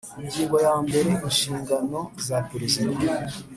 Ingingo ya mbere Inshingano za Perezida